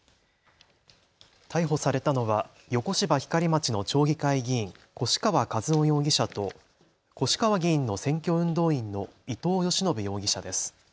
逮捕されたのは横芝光町の町議会議員、越川一雄容疑者と越川議員の選挙運動員の伊藤美宣容疑者です。